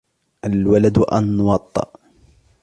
الْوَلَدُ أَنْوَطُ